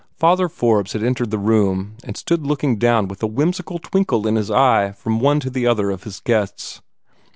Father Forbes had entered the room, and stood looking down with a whimsical twinkle in his eye from one to the other of his guests.